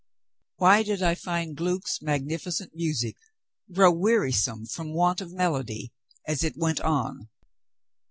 Why did I find Gluck's magnificent music grow wearisome from want of melody as it went on?